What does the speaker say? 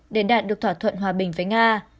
để đạt được thỏa thuận hòa bình với nga